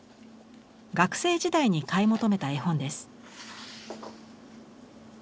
学生時代に買い求めた絵本です。